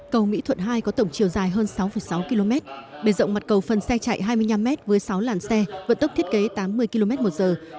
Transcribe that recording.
cầu mỹ thuận hai có tổng chiều dài hơn sáu sáu km bề rộng mặt cầu phần xe chạy hai mươi năm m với sáu làn xe vận tốc thiết kế tám mươi km một giờ